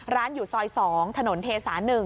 ร้านอยู่ซอย๒ถนนเทศา๑